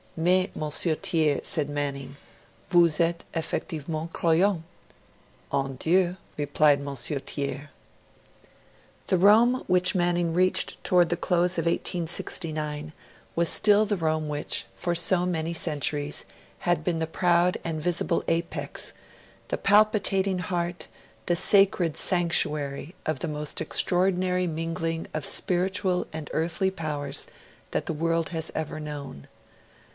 'Mais, M. Thiers,' said Manning, 'vous etes effectivement croyant.' 'En Dieu,' replied M. Thiers. The Rome which Manning reached towards the close of 1869 was still the Rome which, for so many centuries, had been the proud and visible apex, the palpitating heart, the sacred sanctuary, of the most extraordinary mingling of spiritual and earthly powers that the world has ever known.